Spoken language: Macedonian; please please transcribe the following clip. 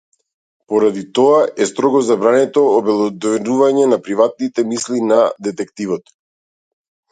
Поради тоа е строго забрането обелоденувањето на приватните мисли на детективот.